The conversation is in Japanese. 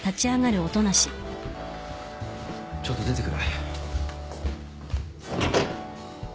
ちょっと出てくる。